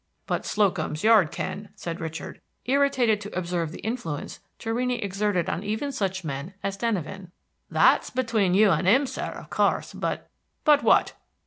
"But Slocum's Yard can," said Richard, irritated to observe the influence Torrini exerted on even such men as Denyven. "That's between you and him, sir, of course, but" "But what?"